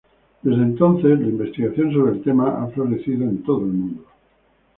Desde entonces, la investigación sobre el tema ha florecido en todo el mundo.